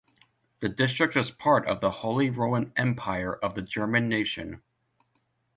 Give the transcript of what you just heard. The district was part of the Holy Roman Empire of the German nation.